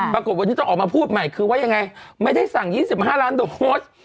ปรากฏวันนี้ต้องออกมาพูดใหม่คือว่ายังไงไม่ได้สั่ง๒๕ล้านโดส